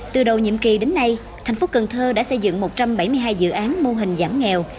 từ đầu nhiệm kỳ đến nay thành phố cần thơ đã xây dựng một trăm bảy mươi hai dự án mô hình giảm nghèo